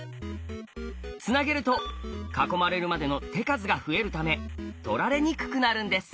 つなげると囲まれるまでの手数が増えるため取られにくくなるんです。